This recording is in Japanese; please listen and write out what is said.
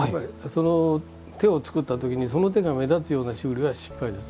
手を作ったときに、その手が目立つような修理は失敗です。